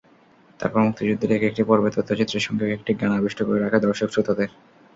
তারপর মুক্তিযুদ্ধের একেকটি পর্বের তথ্যচিত্রের সঙ্গে একেকটি গান আবিষ্ট করে রাখে দর্শক-শ্রোতাদের।